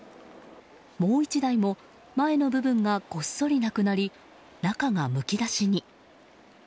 もう１台も前の部分がごっそりなくなり中がむき出しに。